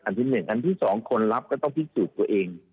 ที่๑อันที่๒คนรับก็ต้องพิสูจน์ตัวเอง